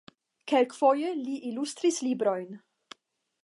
Kelkfoje li ilustris librojn.